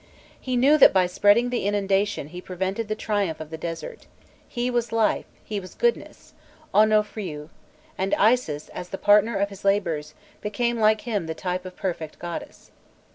He knew that by spreading the inundation he prevented the triumph of the desert; he was life, he was goodness Onnofriû and Isis, as the partner of his labours, became like him the type of perfect goodness.